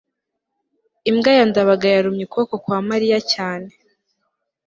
imbwa ya ndabaga yarumye ukuboko kwa mariya cyane